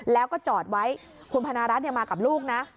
แล้วก็จอดไว้คุณพนารัฐมากับลูกนะ